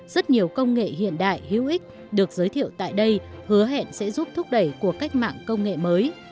rất nhiều công nghệ hiện đại hữu ích được giới thiệu tại đây hứa hẹn sẽ giúp thúc đẩy cuộc cách mạng công nghệ mới